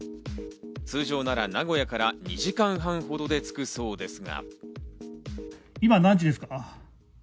通常なら名古屋から２時間半ほどで着くそうですが。